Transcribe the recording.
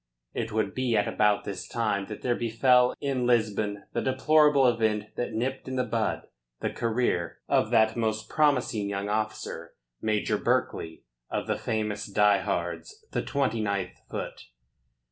It would be at about this time that there befell in Lisbon the deplorable event that nipped in the bud the career of that most promising young officer, Major Berkeley of the famous Die Hards, the 29th Foot.